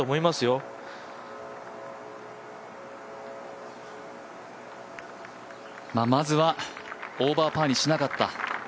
まずはオーバーパーにしなかった。